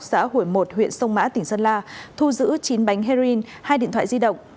xã hủy một huyện sông mã tỉnh sơn la thu giữ chín bánh heroin hai điện thoại di động